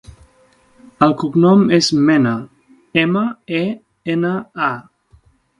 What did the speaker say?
El cognom és Mena: ema, e, ena, a.